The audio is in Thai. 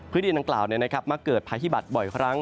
พฤติดินังกล่าวมาเกิดภายบัตรบ่อยครั้ง